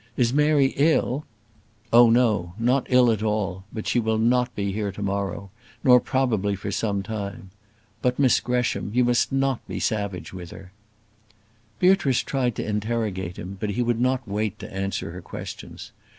Is Mary ill?" "Oh, no; not ill at all; but she will not be here to morrow, nor probably for some time. But, Miss Gresham, you must not be savage with her." Beatrice tried to interrogate him, but he would not wait to answer her questions.